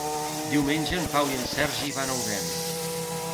Diumenge en Pau i en Sergi van a Odèn.